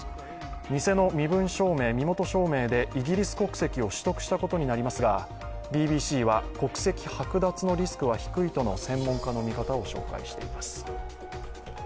偽の身分証明、身元証明でイギリス国籍を取得したことになりますがＢＢＣは、国籍剥奪のリスクは低いとの専門家の見方を紹介しています。